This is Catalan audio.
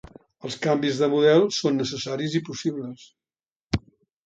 Els canvis de model són necessaris i possibles.